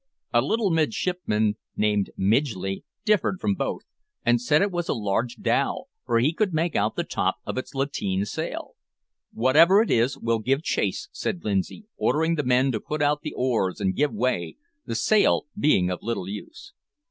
A little midshipman, named Midgley, differed from both, and said it was a large dhow, for he could make out the top of its lateen sail. "Whatever it is, we'll give chase," said Lindsay, ordering the men to put out the oars and give way, the sail being of little use.